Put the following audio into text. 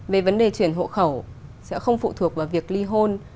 về vấn đề chuyển hộ khẩu sẽ không phụ thuộc vào việc ly hôn